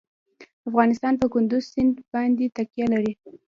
افغانستان په کندز سیند باندې تکیه لري.